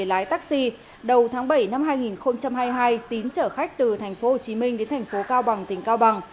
lái taxi đầu tháng bảy năm hai nghìn hai mươi hai tín trở khách từ thành phố hồ chí minh đến thành phố cao bằng tỉnh cao bằng